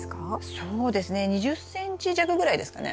そうですね２０ｃｍ弱ぐらいですかね。